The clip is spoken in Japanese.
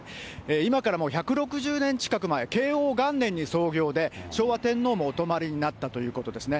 今からもう１６０年近く前、慶応元年に創業で、昭和天皇もお泊まりになったということですね。